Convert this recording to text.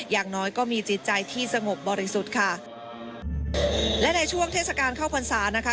อย่างน้อยก็มีจิตใจที่สงบบริสุทธิ์ค่ะและในช่วงเทศกาลเข้าพรรษานะคะ